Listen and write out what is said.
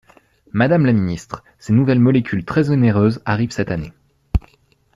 Madame la ministre, ces nouvelles molécules très onéreuses arrivent cette année.